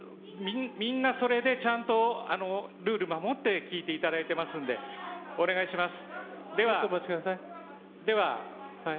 みんなそれでちゃんとルールを守って聞いていただいてますのでお願いします。